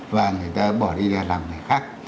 và người ta bỏ đi ra làm khác